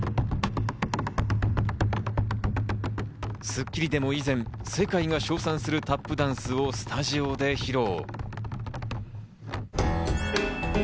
『スッキリ』でも以前、世界が賞賛するタップダンスをスタジオで披露。